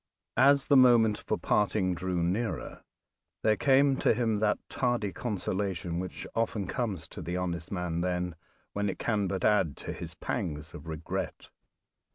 As the moment for parting drew nearer there came to him that tardy consolation which often comes to the honest man then when it can but add to his pangs of regret.